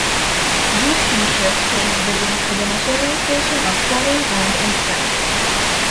These seizures paved the way for the nationalization of foreign-owned enterprises.